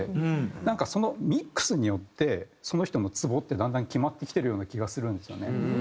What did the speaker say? なんかそのミックスによってその人のツボってだんだん決まってきてるような気がするんですよね。